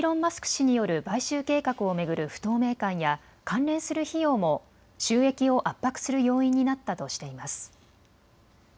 氏による買収計画を巡る不透明感や関連する費用も収益を圧迫する要因になったとしています。